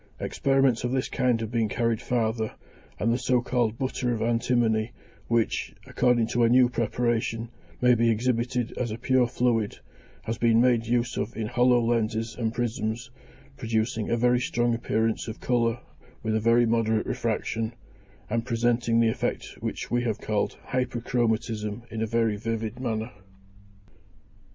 Experiments of this kind have been carried farther, and the so called butter of antimony, which, according to a new preparation, may be exhibited as a pure fluid, has been made use of in hollow lenses and prisms, producing a very strong appearance of colour with a very moderate refraction, and presenting the effect which we have called hyperchromatism in a very vivid manner.